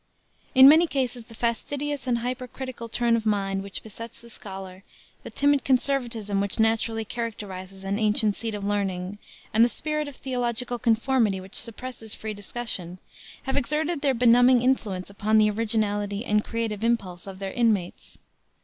In many cases the fastidious and hypercritical turn of mind which besets the scholar, the timid conservatism which naturally characterizes an ancient seat of learning and the spirit of theological conformity which suppresses free discussion have exerted their benumbing influence upon the originality and creative impulse of their inmates.